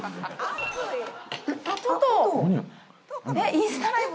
インスタライブ。